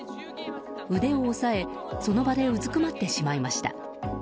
腕を押さえ、その場でうずくまってしまいました。